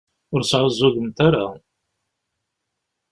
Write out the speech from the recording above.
Ur sεuẓẓugemt ara.